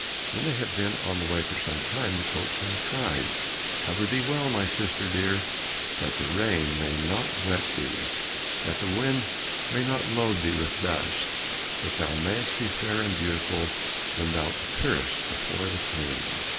When they had been on the way for some time the coachman cried, "Cover thee well, my sister dear, That the rain may not wet thee, That the wind may not load thee with dust, That thou may'st be fair and beautiful When thou appearest before the King."